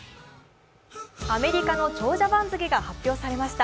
アメリカの長者番付が発表されました。